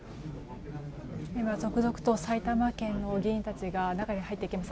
今、続々と埼玉県の議員たちが中に入っていきます。